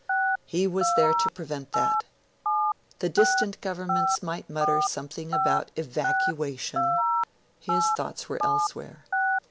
He was there to prevent that. The distant governments might mutter something about 'evacuation'; his thoughts were elsewhere.